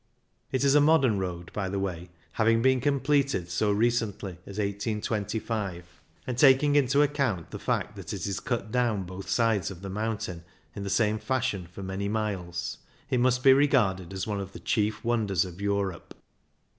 It is a modern road, by the way, having been completed so recently as 1825 ; and taking into account the fact that it is cut down both sides of the moun tain in the same fashion for many miles, it must be regarded as one of the chief wonders of Europe.